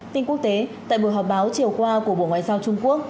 tin quốc tế tại buổi họp báo chiều qua của bộ ngoại giao trung quốc